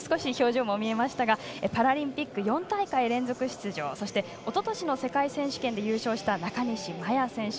パラリンピック４大会連続出場そして、おととしの世界選手権で優勝した中西麻耶選手。